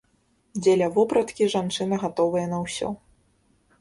Дзеля вопраткі жанчына гатовая на ўсё.